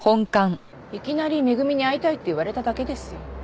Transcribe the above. いきなり恵に会いたいって言われただけですよ。